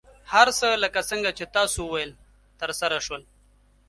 هر څه لکه څنګه چې تاسو وویل، ترسره شول.